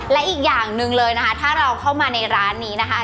และอีกอย่างหนึ่งเลยนะคะถ้าเราเข้ามาในร้านนี้นะคะ